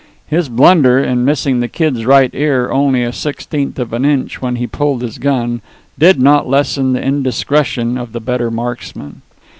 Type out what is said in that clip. His blunder in missing the Kid's right ear only a sixteenth of an inch when he pulled his gun did not lessen the indiscretion of the better marksman.